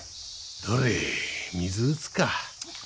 どれ水打つか。